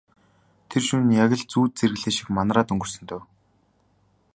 Тэр шөнө яг л зүүд зэрэглээ шиг манараад өнгөрсөн дөө.